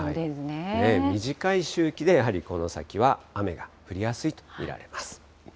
短い周期でやはりこの先は雨が降りやすいと見られます。